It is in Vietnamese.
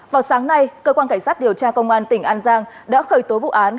vào sáng nay cơ quan cảnh sát điều tra công an tỉnh an giang đã khởi tố vụ án